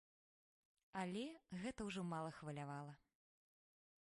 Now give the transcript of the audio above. Але гэта ўжо мала хвалявала.